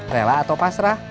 rela atau pasrah